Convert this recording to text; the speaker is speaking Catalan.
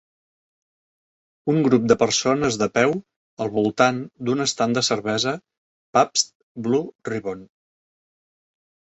Un grup de persones de peu al voltant d'un estand de cervesa Pabst Blue Ribbon.